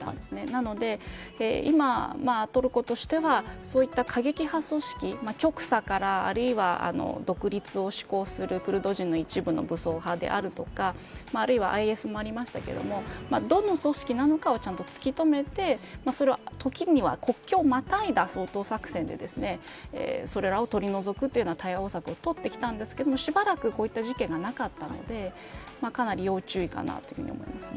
なので今トルコとしてはそういった過激派組織極左からあるいは独立を志向するクルド人の一部の武装派であるとかあるいはＩＳもありましたけどどの組織なのかをちゃんと突きとめてそれを時には国境をまたいだ掃討作戦でそれらを取り除くような対応策を取ってきたんですけどしばらく、こういった事件がなかったのでかなり要注意かなと思います。